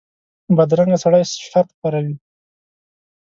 بدرنګه سړي شر خپروي